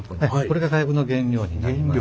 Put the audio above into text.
これが火薬の原料になります。